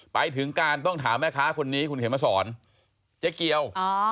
ไปถึงการต้องถามแม่ค้าคนนี้คุณเขียนมาสอนเจ๊เกียว